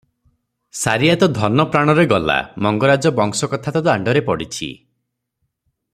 ସାରିଆ ତ ଧନ-ପ୍ରାଣରେ ଗଲା, ମଙ୍ଗରାଜ ବଂଶ କଥା ତ ଦାଣ୍ତରେ ପଡ଼ିଛି ।